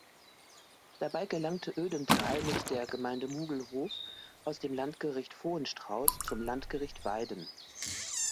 Dabei gelangte Oedenthal mit der Gemeinde Muglhof aus dem Landgericht Vohenstrauß zum Landgericht Weiden.